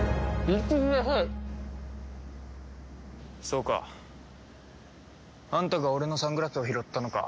そうかあんたが俺のサングラスを拾ったのか。